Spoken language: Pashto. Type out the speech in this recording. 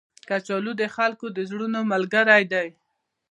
کچالو د خلکو د زړونو ملګری دی